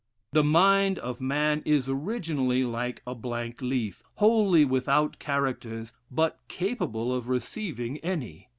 The mind of man is originally like a blank leaf, wholly without characters, but capable of receiving any.